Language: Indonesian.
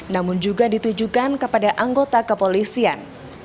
namun juga ditujukan kepada anggota kepolisian